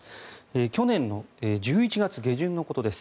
去年の１１月下旬のことです。